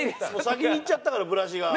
先にいっちゃったからブラシが。